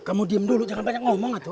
kamu diam dulu jangan banyak ngomong atuh